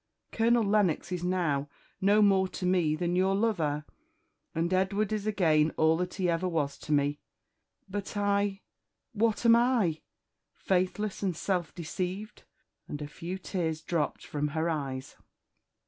Colonel Lennox is now no more to me than your lover, and Edward is again all that he ever was to me; but I what am I? faithless and self deceived!" and a few tears dropped from her eyes.